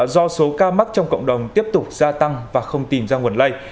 do số ca mắc trong cộng đồng tiếp tục gia tăng và không tìm ra nguồn lây